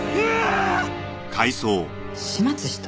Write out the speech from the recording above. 始末した？